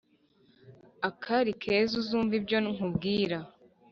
akari kera uzumve ibyo nkubwira.